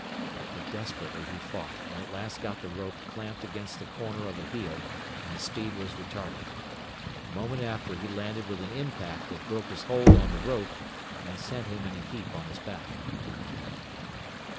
But desperately he fought, and at last got the rope clamped against the corner of a heel, and the speed was retarded. A moment after he landed with an impact that broke his hold on the rope and sent him in a heap on his back.